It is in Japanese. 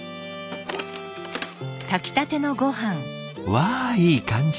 わあいい感じ！